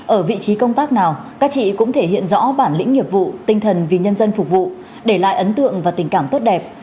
ở vị trí công tác nào các chị cũng thể hiện rõ bản lĩnh nghiệp vụ tinh thần vì nhân dân phục vụ để lại ấn tượng và tình cảm tốt đẹp